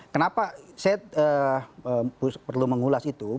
kenapa saya perlu mengulas itu